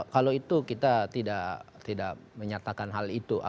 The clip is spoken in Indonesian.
kalau itu kita tidak menyatakan hal itu